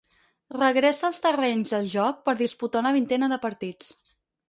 Regressa als terrenys de joc per disputar una vintena de partits.